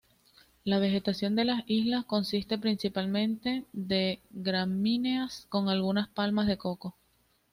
La vegetación de las islas consiste principalmente de gramíneas con algunas palmas de coco.